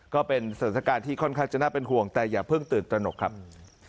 ก็เป็นสถานการณ์ที่ค่อนข้างจะน่าเป็นห่วงแต่อย่าเพิ่งตื่นตระหนกครับ